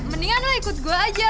mendingan lo ikut gue aja